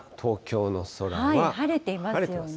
晴れていますよね。